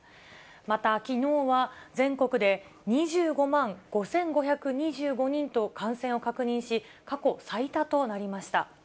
またきのうは、全国で２５万５５２５人と感染を確認し、過去最多となりました。